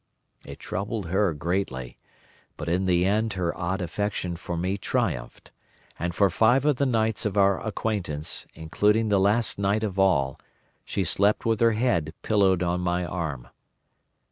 "It troubled her greatly, but in the end her odd affection for me triumphed, and for five of the nights of our acquaintance, including the last night of all, she slept with her head pillowed on my arm.